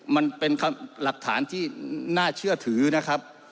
มันเป็นหลักฐานที่น่าเชื่อถือนะครับ